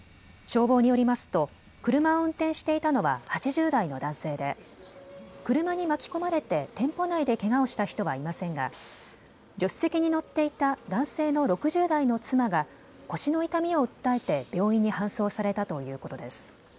消防によりますと車を運転していたのは８０代の男性で、車に巻き込まれて店舗内でけがをした人はいませんが助手席に乗っていた男性の６０代の妻が腰の痛みを訴えて病院に搬送されたということです。